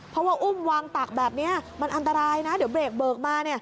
เพราะว่าอุ้มวางตักแบบนี้มันอันตรายนะเดี๋ยวเบรกเบิกมา